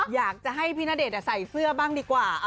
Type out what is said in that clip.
อยากจะให้พี่ณเดชน์ใส่เสื้อบ้างดีกว่า